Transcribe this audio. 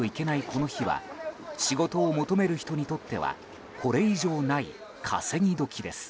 この日は仕事を求める人にとってはこれ以上ない、稼ぎ時です。